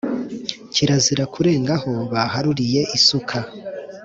Kirazira kurenga aho baharuriye isuka,